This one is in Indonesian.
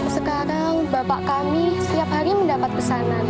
sekarang bapak kami setiap hari mendapat pesanan